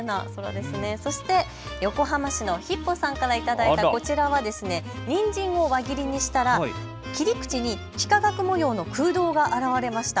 そして横浜市のヒッポさんから頂いたこちらは、にんじんを輪切りにしたら切り口に幾何学模様の空洞が現れました。